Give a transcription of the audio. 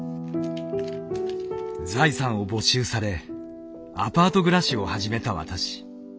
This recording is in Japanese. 財産を没収されアパート暮らしを始めた私。